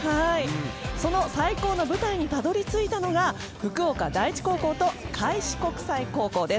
その最高の舞台にたどり着いたのが福岡第一高校と開志国際高校です。